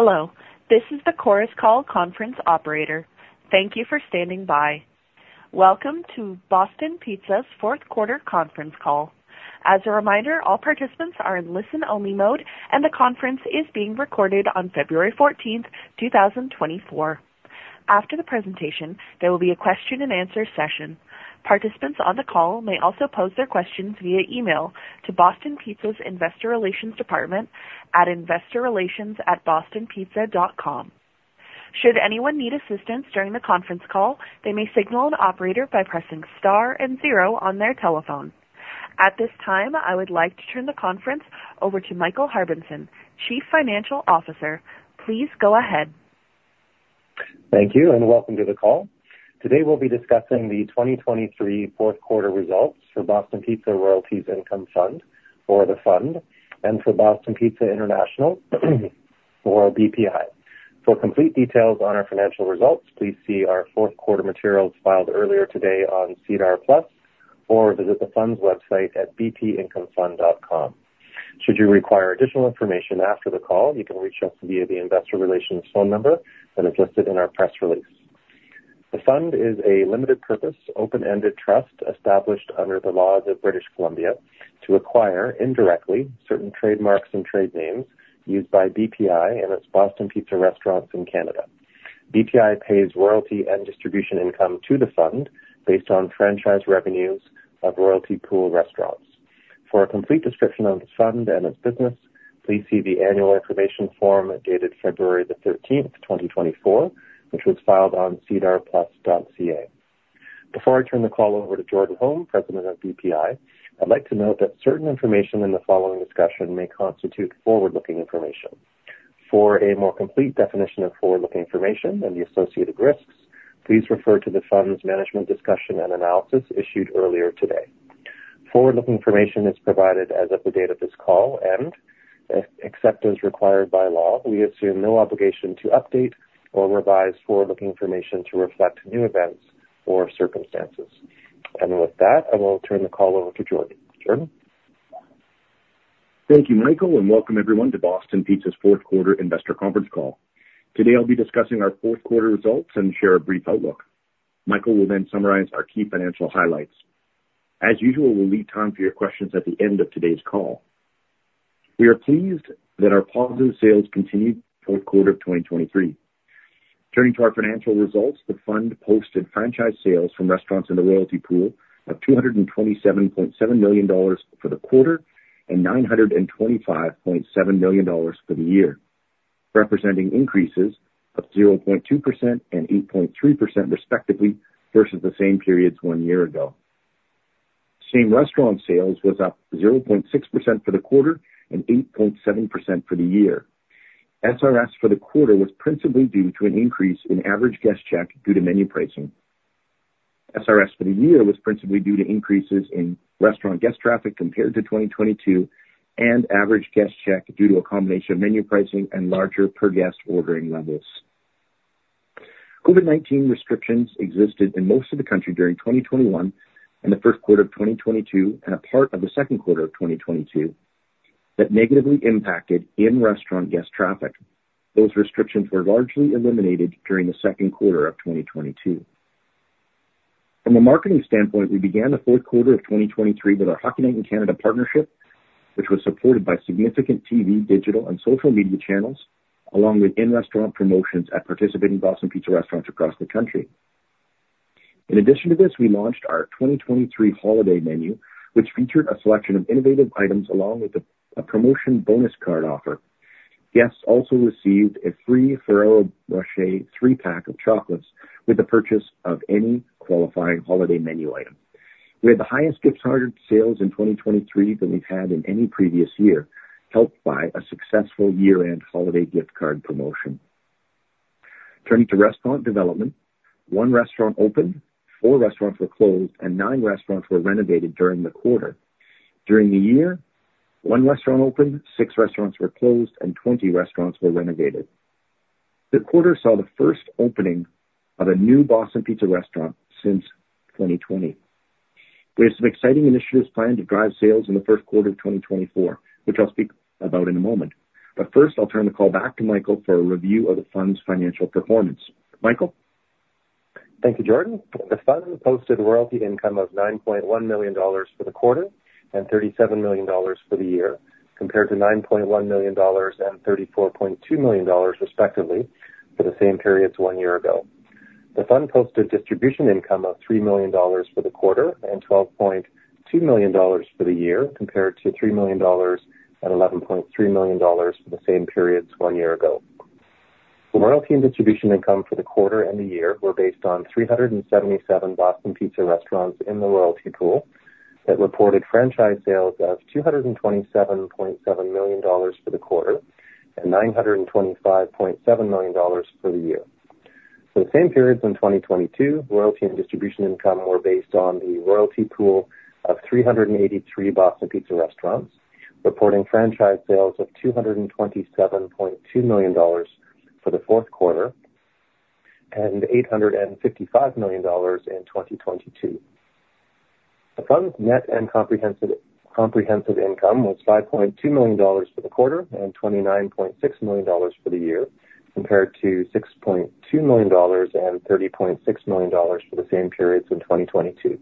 Hello, this is the Chorus Call Conference Operator. Thank you for standing by. Welcome to Boston Pizza's Fourth Quarter Conference Call. As a reminder, all participants are in listen-only mode, and the conference is being recorded on February 14th, 2024. After the presentation, there will be a question-and-answer session. Participants on the call may also pose their questions via email to Boston Pizza's investor relations department at investorrelations@bostonpizza.com. Should anyone need assistance during the conference call, they may signal an operator by pressing star and zero on their telephone. At this time, I would like to turn the conference over to Michael Harbinson, Chief Financial Officer. Please go ahead. Thank you, and welcome to the call. Today, we'll be discussing the 2023 fourth quarter results for Boston Pizza Royalties Income Fund for the fund and for Boston Pizza International, or BPI. For complete details on our financial results, please see our fourth quarter materials filed earlier today on SEDAR+, or visit the fund's website at bpincomefund.com. Should you require additional information after the call, you can reach us via the investor relations phone number that is listed in our press release. The fund is a limited purpose, open-ended trust established under the laws of British Columbia to acquire, indirectly, certain trademarks and trade names used by BPI and its Boston Pizza restaurants in Canada. BPI pays royalty and distribution income to the fund based on franchise revenues of royalty pool restaurants. For a complete description of the fund and its business, please see the annual information form dated February 13th, 2024, which was filed on sedarplus.ca. Before I turn the call over to Jordan Holm, President of BPI, I'd like to note that certain information in the following discussion may constitute forward-looking information. For a more complete definition of forward-looking information and the associated risks, please refer to the fund's management discussion and analysis issued earlier today. Forward-looking information is provided as of the date of this call, and except as required by law, we assume no obligation to update or revise forward-looking information to reflect new events or circumstances. With that, I will turn the call over to Jordan. Jordan? Thank you, Michael, and welcome everyone to Boston Pizza's fourth quarter investor conference call. Today, I'll be discussing our fourth quarter results and share a brief outlook. Michael will then summarize our key financial highlights. As usual, we'll leave time for your questions at the end of today's call. We are pleased that our positive sales continued fourth quarter of 2023. Turning to our financial results, the fund posted franchise Sales from restaurants in the royalty pool of 227.7 million dollars for the quarter and 925.7 million dollars for the year, representing increases of 0.2% and 8.3%, respectively, versus the same periods one year ago. Same Restaurant Sales was up 0.6% for the quarter and 8.7% for the year. SRS for the quarter was principally due to an increase in average guest check due to menu pricing. SRS for the year was principally due to increases in restaurant guest traffic compared to 2022 and average guest check due to a combination of menu pricing and larger per guest ordering levels. COVID-19 restrictions existed in most of the country during 2021 and the first quarter of 2022 and a part of the second quarter of 2022 that negatively impacted in-restaurant guest traffic. Those restrictions were largely eliminated during the second quarter of 2022. From a marketing standpoint, we began the fourth quarter of 2023 with our Hockey Night in Canada partnership, which was supported by significant TV, digital, and social media channels, along with in-restaurant promotions at participating Boston Pizza restaurants across the country. In addition to this, we launched our 2023 holiday menu, which featured a selection of innovative items, along with a promotion bonus card offer. Guests also received a free Ferrero Rocher three pack of chocolates with the purchase of any qualifying holiday menu item. We had the highest gift card sales in 2023 than we've had in any previous year, helped by a successful year-end holiday gift card promotion. Turning to restaurant development, one restaurant opened, four restaurants were closed, and nine restaurants were renovated during the quarter. During the year, one restaurant opened, six restaurants were closed, and 20 restaurants were renovated. The quarter saw the first opening of a new Boston Pizza restaurant since 2020. We have some exciting initiatives planned to drive sales in the first quarter of 2024, which I'll speak about in a moment. First, I'll turn the call back to Michael for a review of the fund's financial performance. Michael? Thank you, Jordan. The fund posted royalty income of CAD 9.1 million for the quarter and CAD 37 million for the year, compared to CAD 9.1 million and CAD 34.2 million, respectively, for the same periods one year ago. The fund posted distribution income of CAD 3 million for the quarter and CAD 12.2 million for the year, compared to CAD 3 million and CAD 11.3 million for the same periods one year ago. The royalty and distribution income for the quarter and the year were based on 377 Boston Pizza restaurants in the royalty pool that reported franchise sales of 227.7 million dollars for the quarter and 925.7 million dollars for the year. For the same periods in 2022, royalty and distribution income were based on the royalty pool of 383 Boston Pizza restaurants, reporting franchise sales of 227.2 million dollars for the fourth quarter and 855 million dollars in 2022. The Fund's net and comprehensive income was 5.2 million dollars for the quarter and 29.6 million dollars for the year, compared to 6.2 million dollars and 30.6 million dollars for the same periods in 2022.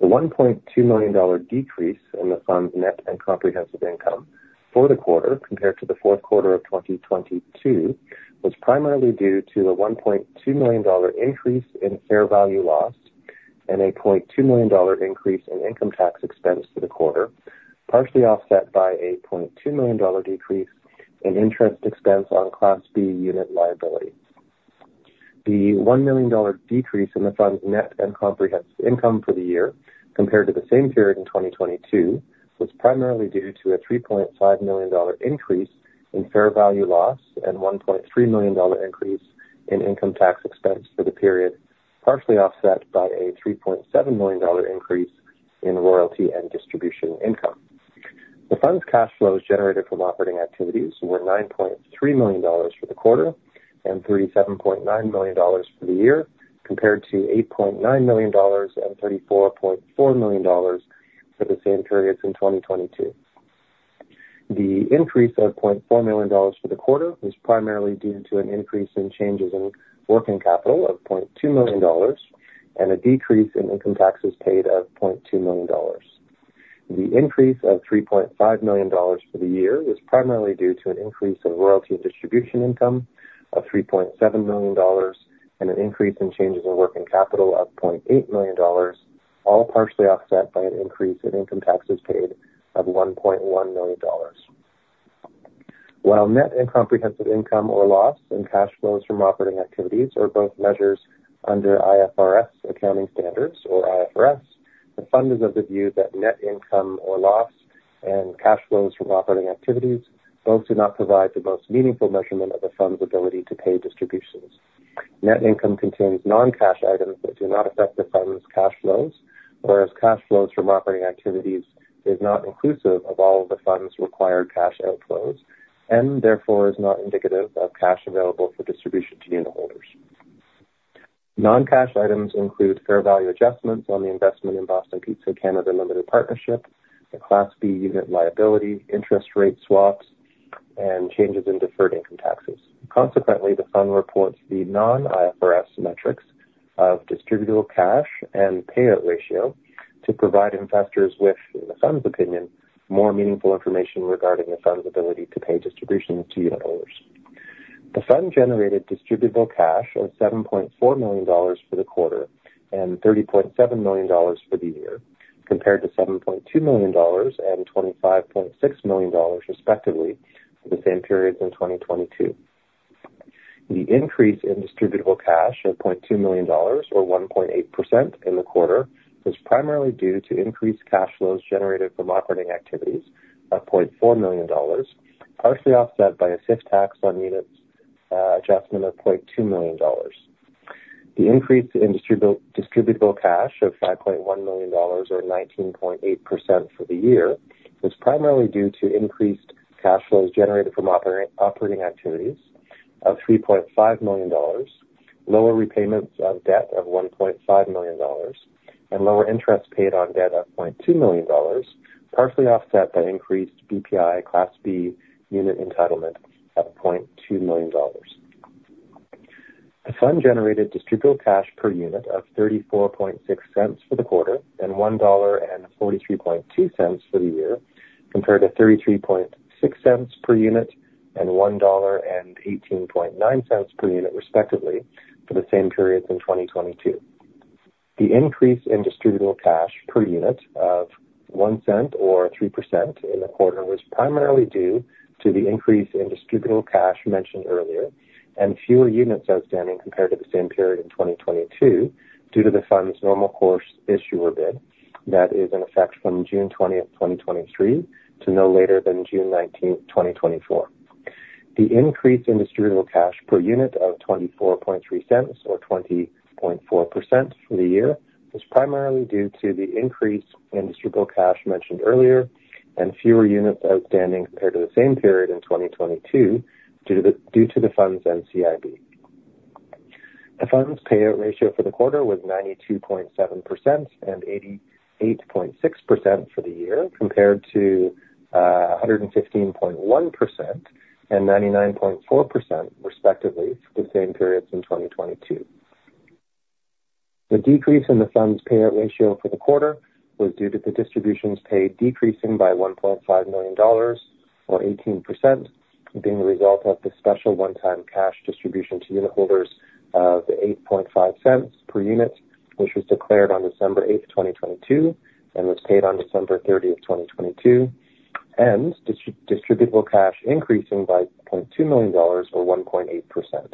The 1.2 million dollar decrease in the Fund's net and comprehensive income for the quarter compared to the fourth quarter of 2022, was primarily due to a 1.2 million dollar increase in fair value loss and a 0.2 million dollar increase in income tax expense for the quarter, partially offset by a 0.2 million dollar decrease in interest expense on Class B unit liability. The 1 million dollar decrease in the Fund's net and comprehensive income for the year compared to the same period in 2022, was primarily due to a 3.5 million dollar increase in fair value loss and 1.3 million dollar increase in income tax expense for the period, partially offset by a 3.7 million dollar increase in royalty and distribution income. The Fund's cash flows generated from operating activities were 9.3 million dollars for the quarter and 37.9 million dollars for the year, compared to 8.9 million dollars and 34.4 million dollars for the same periods in 2022. The increase of 0.4 million dollars for the quarter was primarily due to an increase in changes in working capital of 0.2 million dollars and a decrease in income taxes paid of 0.2 million dollars. The increase of 3.5 million dollars for the year was primarily due to an increase in royalty and distribution income of 3.7 million dollars and an increase in changes in working capital of 0.8 million dollars, all partially offset by an increase in income taxes paid of 1.1 million dollars. While net and comprehensive income or loss and cash flows from operating activities are both measures under IFRS accounting standards or IFRS, the Fund is of the view that net income or loss and cash flows from operating activities both do not provide the most meaningful measurement of the Fund's ability to pay distributions. Net income contains non-cash items that do not affect the Fund's cash flows, whereas cash flows from operating activities is not inclusive of all of the Fund's required cash outflows and therefore is not indicative of cash available for distribution to unitholders. Non-cash items include fair value adjustments on the investment in Boston Pizza Canada Limited Partnership, the Class B unit liability, interest rate swaps, and changes in deferred income taxes. Consequently, the Fund reports the non-IFRS metrics of distributable cash and payout ratio to provide investors with, in the Fund's opinion, more meaningful information regarding the Fund's ability to pay distributions to unitholders. The Fund generated distributable cash of 7.4 million dollars for the quarter and 30.7 million dollars for the year, compared to 7.2 million dollars and 25.6 million dollars, respectively, for the same periods in 2022. The increase in distributable cash of CAD 0.2 million or 1.8% in the quarter, was primarily due to increased cash flows generated from operating activities of CAD 0.4 million, partially offset by a withholding tax on units adjustment of CAD 0.2 million. The increase in distributable cash of CAD 5.1 million or 19.8% for the year was primarily due to increased cash flows generated from operating activities of 3.5 million dollars, lower repayments of debt of 1.5 million dollars, and lower interest paid on debt of 0.2 million dollars, partially offset by increased BPI Class B unit entitlement of 0.2 million dollars. The Fund generated distributable cash per unit of 0.346 for the quarter and 1.432 dollar for the year, compared to 0.336 per unit and 1.189 dollar per unit, respectively, for the same periods in 2022. The increase in distributable cash per unit of 0.01 or 3% in the quarter was primarily due to the increase in distributable cash mentioned earlier, and fewer units outstanding compared to the same period in 2022 due to the Fund's normal course issuer bid that is in effect from June 20th, 2023, to no later than June 19th, 2024. The increase in distributable cash per unit of 0.243 or 20.4% for the year was primarily due to the increase in distributable cash mentioned earlier, and fewer units outstanding compared to the same period in 2022, due to the Fund's NCIB. The Fund's payout ratio for the quarter was 92.7% and 88.6% for the year, compared to a 115.1% and 99.4%, respectively, for the same periods in 2022. The decrease in the Fund's payout ratio for the quarter was due to the distributions paid decreasing by 1.5 million dollars or 18%, being the result of the special one-time cash distribution to unitholders of 0.085 per unit, which was declared on December 8th, 2022, and was paid on December 30th, 2022, and distributable cash increasing by CAD 0.2 million or 1.8%.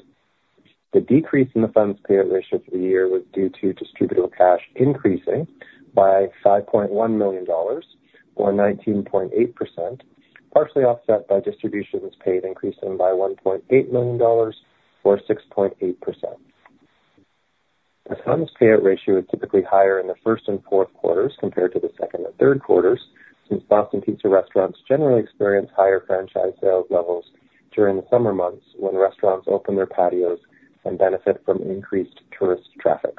The decrease in the Fund's payout ratio for the year was due to distributable cash increasing by 5.1 million dollars or 19.8%, partially offset by distributions paid, increasing by 1.8 million dollars or 6.8%. The Fund's payout ratio is typically higher in the first and fourth quarters compared to the second and third quarters... Since Boston Pizza restaurants generally experience higher franchise sales levels during the summer months when restaurants open their patios and benefit from increased tourist traffic.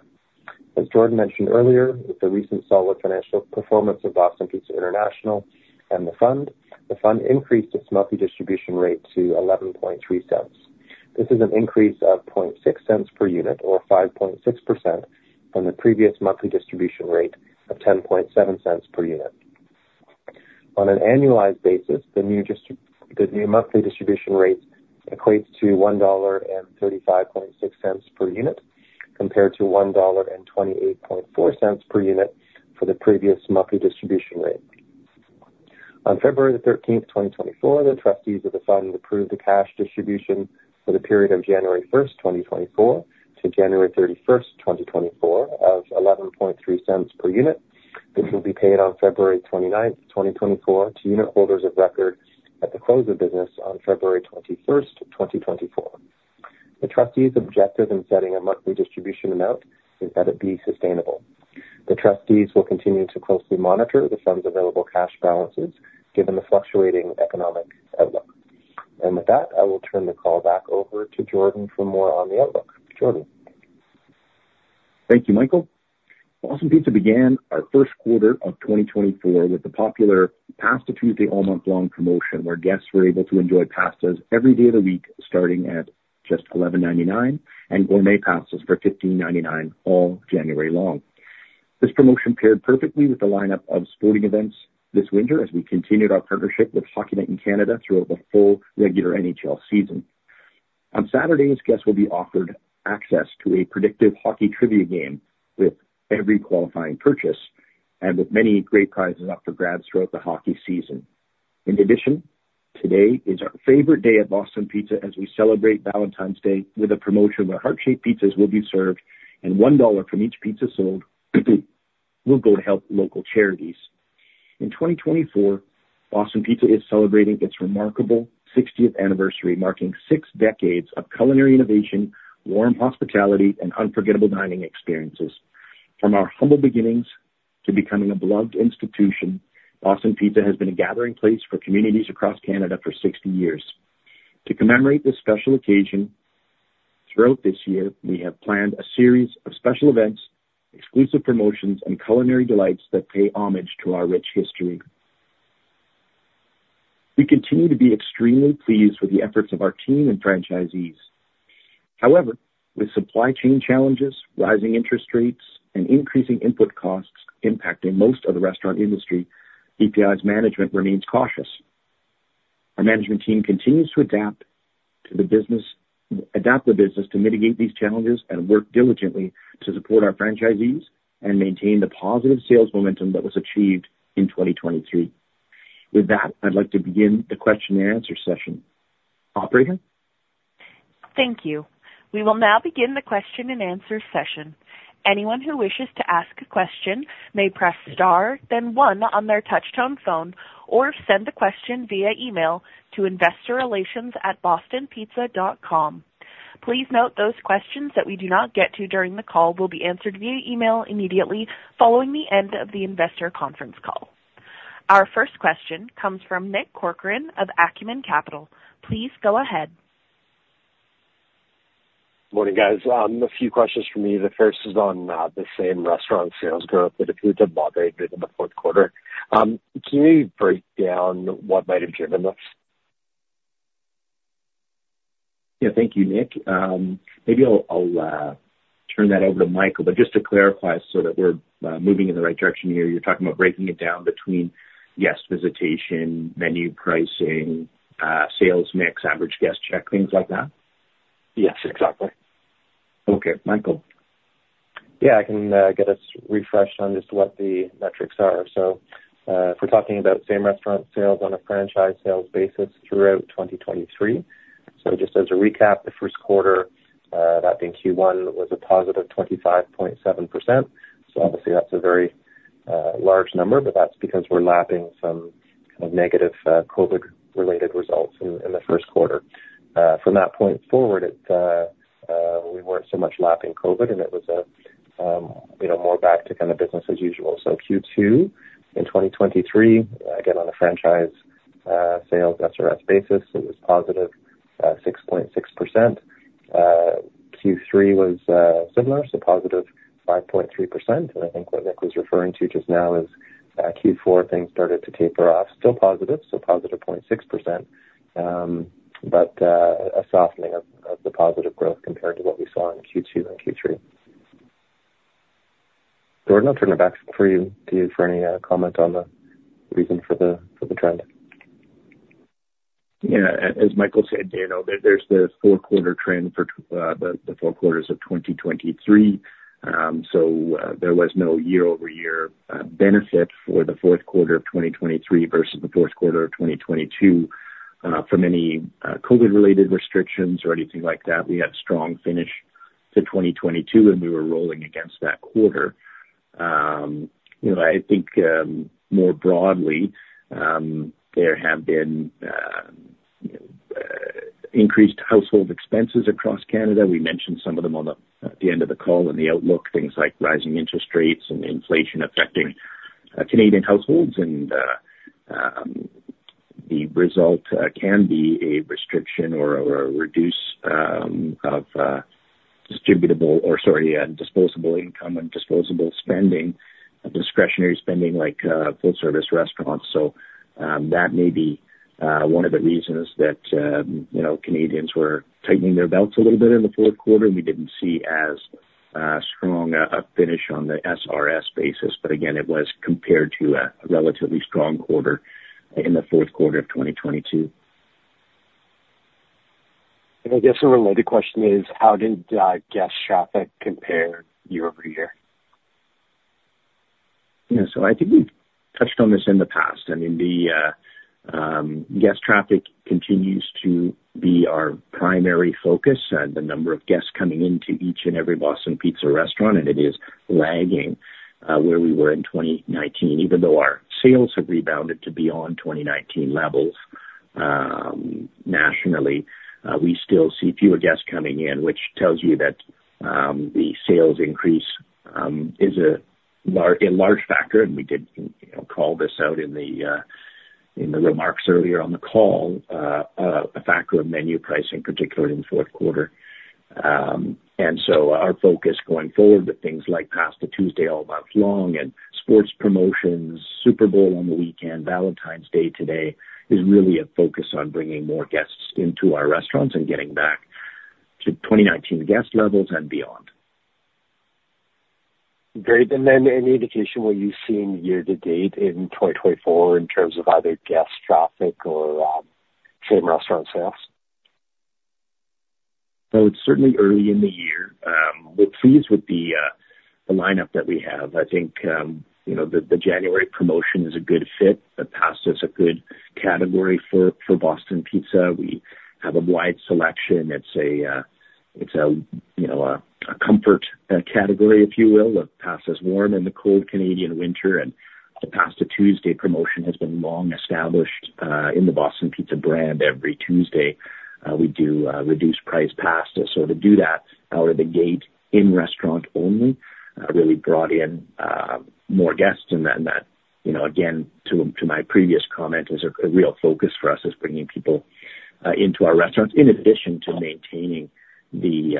As Jordan mentioned earlier, with the recent solid financial performance of Boston Pizza International and the Fund, the Fund increased its monthly distribution rate to 0.113. This is an increase of 0.006 per unit, or 5.6% from the previous monthly distribution rate of 0.107 per unit. On an annualized basis, the new monthly distribution rate equates to 1.356 dollar per unit, compared to 1.284 dollar per unit for the previous monthly distribution rate. On February 13th, 2024, the trustees of the fund approved the cash distribution for the period of January 1st, 2024 to January 31st, 2024 of 0.113 per unit. This will be paid on February 29th, 2024 to unitholders of record at the close of business on February 21st, 2024. The trustees' objective in setting a monthly distribution amount is that it be sustainable. The trustees will continue to closely monitor the fund's available cash balances, given the fluctuating economic outlook. And with that, I will turn the call back over to Jordan for more on the outlook. Jordan? Thank you, Michael. Boston Pizza began our first quarter of 2024 with the popular Pasta Tuesday all month long promotion, where guests were able to enjoy pastas every day of the week, starting at just 11.99, and gourmet pastas for 15.99, all January long. This promotion paired perfectly with the lineup of sporting events this winter, as we continued our partnership with Hockey Night in Canada throughout the full regular NHL season. On Saturdays, guests will be offered access to a predictive hockey trivia game with every qualifying purchase and with many great prizes up for grabs throughout the hockey season. In addition, today is our favorite day at Boston Pizza, as we celebrate Valentine's Day with a promotion where heart-shaped pizzas will be served, and 1 dollar from each pizza sold will go to help local charities. In 2024, Boston Pizza is celebrating its remarkable 60th anniversary, marking six decades of culinary innovation, warm hospitality, and unforgettable dining experiences. From our humble beginnings to becoming a beloved institution, Boston Pizza has been a gathering place for communities across Canada for 60 years. To commemorate this special occasion, throughout this year, we have planned a series of special events, exclusive promotions, and culinary delights that pay homage to our rich history. We continue to be extremely pleased with the efforts of our team and franchisees. However, with supply chain challenges, rising interest rates, and increasing input costs impacting most of the restaurant industry, BPI's management remains cautious. Our management team continues to adapt the business to mitigate these challenges and work diligently to support our franchisees and maintain the positive sales momentum that was achieved in 2023. With that, I'd like to begin the question and answer session. Operator? Thank you. We will now begin the question and answer session. Anyone who wishes to ask a question may press star, then one on their touchtone phone, or send the question via email to investorrelations@bostonpizza.com. Please note, those questions that we do not get to during the call will be answered via email immediately following the end of the investor conference call. Our first question comes from Nick Corcoran of Acumen Capital. Please go ahead. Morning, guys. A few questions for me. The first is on the same-restaurant sales growth that improved a lot in the fourth quarter. Can you break down what might have driven this? Yeah. Thank you, Nick. Maybe I'll turn that over to Michael, but just to clarify, so that we're moving in the right direction here, you're talking about breaking it down between guest visitation, menu pricing, sales mix, average guest check, things like that? Yes, exactly. Okay. Michael? Yeah, I can get us refreshed on just what the metrics are. So, if we're talking about same-restaurant sales on a franchise sales basis throughout 2023. So just as a recap, the first quarter, that in Q1 was a positive 25.7%. So obviously that's a very large number, but that's because we're lapping some kind of negative COVID-related results in the first quarter. From that point forward, we weren't so much lapping COVID, and it was a, you know, more back to kind of business as usual. So Q2 in 2023, again, on a franchise sales SRS basis, it was positive 6.6%. Q3 was similar, so positive 5.3%. I think what Nick was referring to just now is Q4, things started to taper off. Still positive, so positive 0.6%, but a softening of the positive growth compared to what we saw in Q2 and Q3. Jordan, I'll turn it back to you for any comment on the reason for the trend. You know as Michael said, you know, there's the fourth quarter trend for the fourth quarters of 2023. So, there was no year-over-year benefit for the fourth quarter of 2023 versus the fourth quarter of 2022 from any COVID-related restrictions or anything like that. We had a strong finish to 2022, and we were rolling against that quarter. You know, I think, more broadly, there have been increased household expenses across Canada. We mentioned some of them on the at the end of the call in the outlook, things like rising interest rates and inflation affecting Canadian households. And the result can be a restriction or a reduce of distributable or, sorry, disposable income and disposable spending, discretionary spending, like full service restaurants. So, that may be one of the reasons that, you know, Canadians were tightening their belts a little bit in the fourth quarter. We didn't see as strong a finish on the SRS basis, but again, it was compared to a relatively strong quarter in the fourth quarter of 2022. And I guess a related question is: how did guest traffic compare year-over-year? Yeah, so I think we've touched on this in the past. I mean, the guest traffic continues to be our primary focus, the number of guests coming into each and every Boston Pizza restaurant, and it is lagging where we were in 2019. Even though our sales have rebounded to beyond 2019 levels, nationally, we still see fewer guests coming in, which tells you that the sales increase is a large factor. And we did, you know, call this out in the remarks earlier on the call, a factor of menu pricing, particularly in the fourth quarter. And so our focus going forward with things like Pasta Tuesday all month long and sports promotions, Super Bowl on the weekend, Valentine's Day today, is really a focus on bringing more guests into our restaurants and getting back to 2019 guest levels and beyond. Great. And then any indication what you've seen year to date in 2024 in terms of either guest traffic or same restaurant sales? So it's certainly early in the year. We're pleased with the lineup that we have. I think, you know, the January promotion is a good fit. But pasta is a good category for Boston Pizza. We have a wide selection. Let's say, it's a, you know, a comfort category, if you will, that pasta's warm in the cold Canadian winter, and the Pasta Tuesday promotion has been long established in the Boston Pizza brand. Every Tuesday, we do reduced price pasta. So to do that out of the gate in restaurant only, really brought in more guests, and then that, you know, again, to my previous comment, is a real focus for us, is bringing people into our restaurants, in addition to maintaining the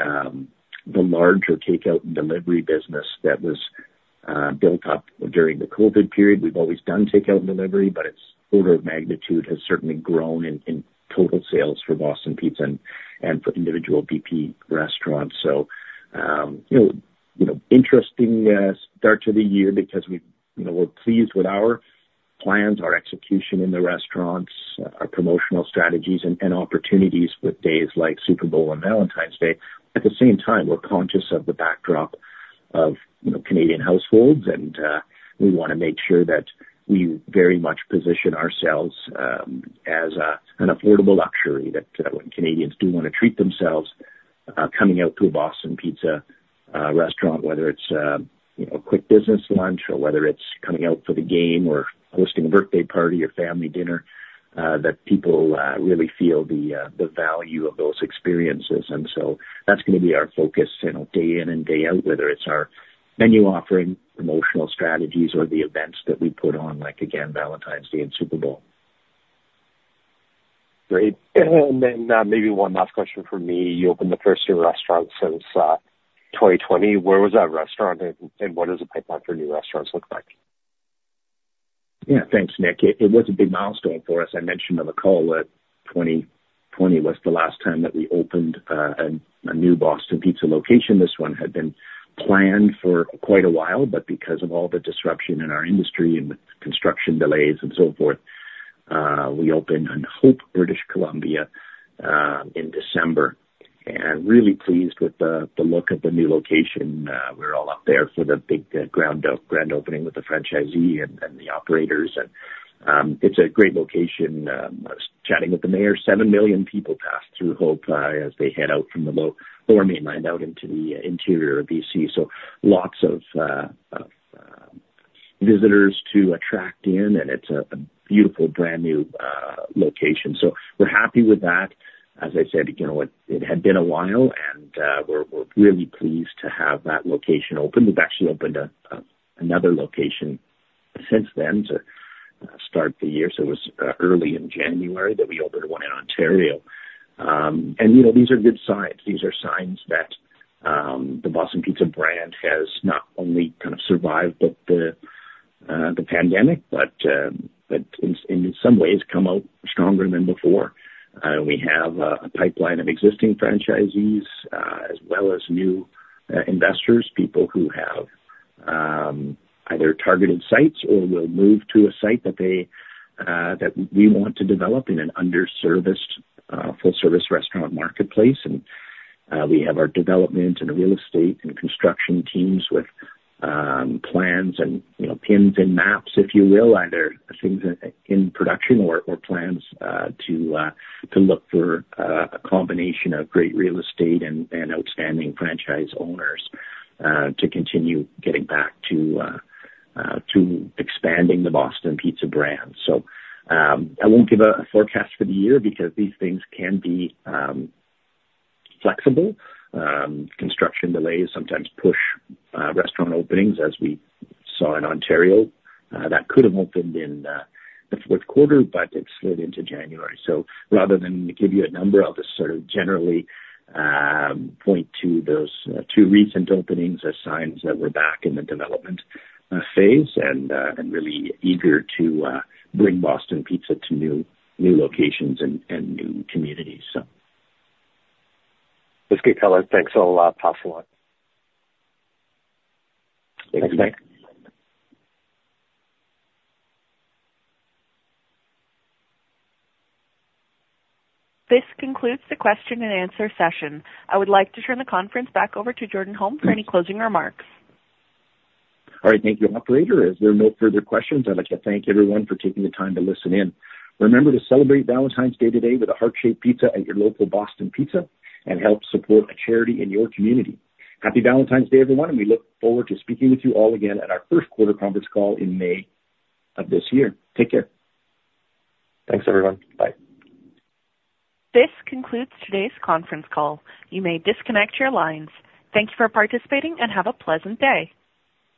larger takeout and delivery business that was built up during the COVID period. We've always done takeout and delivery, but its order of magnitude has certainly grown in total sales for Boston Pizza and for individual BP restaurants. So, you know, interesting start to the year because we, you know, we're pleased with our plans, our execution in the restaurants, our promotional strategies and opportunities with days like Super Bowl and Valentine's Day. At the same time, we're conscious of the backdrop of, you know, Canadian households, and, we wanna make sure that we very much position ourselves, as a, an affordable luxury, that, when Canadians do wanna treat themselves, coming out to a Boston Pizza, restaurant, whether it's, you know, a quick business lunch or whether it's coming out for the game or hosting a birthday party or family dinner, that people, really feel the, the value of those experiences. And so that's gonna be our focus, you know, day in and day out, whether it's our menu offering, promotional strategies, or the events that we put on, like, again, Valentine's Day and Super Bowl. Great. And then, maybe one last question for me. You opened the first new restaurant since 2020. Where was that restaurant, and what does the pipeline for new restaurants look like? Yeah, thanks, Nick. It was a big milestone for us. I mentioned on the call that 2020 was the last time that we opened a new Boston Pizza location. This one had been planned for quite a while, but because of all the disruption in our industry and construction delays and so forth, we opened in Hope, British Columbia, in December, and really pleased with the look of the new location. We're all up there for the big grand opening with the franchisee and the operators, and it's a great location. I was chatting with the mayor. Seven million people pass through Hope as they head out from the Lower Mainland out into the Interior of BC, so lots of visitors to attract in, and it's a beautiful, brand-new location. So we're happy with that. As I said, you know, it had been a while, and we're really pleased to have that location open. We've actually opened another location since then to start the year. So it was early in January that we opened one in Ontario. And you know, these are good signs. These are signs that the Boston Pizza brand has not only kind of survived the pandemic, but in some ways come out stronger than before. We have a pipeline of existing franchisees, as well as new investors, people who have either targeted sites or will move to a site that they, that we want to develop in an underserviced full-service restaurant marketplace. And we have our development and real estate and construction teams with plans and, you know, pins and maps, if you will, either things in production or plans to look for a combination of great real estate and outstanding franchise owners to continue getting back to expanding the Boston Pizza brand. So I won't give a forecast for the year because these things can be flexible. Construction delays sometimes push restaurant openings, as we saw in Ontario. That could have opened in the fourth quarter, but it slid into January. So rather than give you a number, I'll just sort of generally point to those two recent openings as signs that we're back in the development phase and and really eager to bring Boston Pizza to new, new locations and, and new communities, so. That's great, Colin. Thanks a lot. Pass it on. Thanks, Nick. This concludes the question and answer session. I would like to turn the conference back over to Jordan Holm for any closing remarks. All right. Thank you, Operator. As there are no further questions, I'd like to thank everyone for taking the time to listen in. Remember to celebrate Valentine's Day today with a heart-shaped pizza at your local Boston Pizza and help support a charity in your community. Happy Valentine's Day, everyone, and we look forward to speaking with you all again at our first quarter conference call in May of this year. Take care. Thanks, everyone. Bye. This concludes today's conference call. You may disconnect your lines. Thank you for participating, and have a pleasant day.